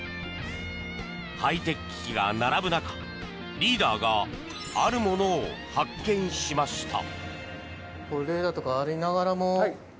ハイテク機器が並ぶ中リーダーがあるものを発見しました。